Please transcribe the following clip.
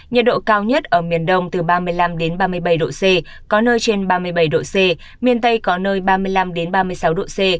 nhiệt độ cao nhất ở miền đông từ ba mươi năm ba mươi bảy độ c có nơi trên ba mươi bảy độ c miền tây có nơi ba mươi năm ba mươi sáu độ c